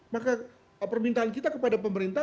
maka permintaan kita kepada pemerintah